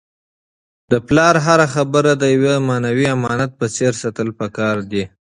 د پلار هره خبره د یو معنوي امانت په څېر ساتل پکار دي.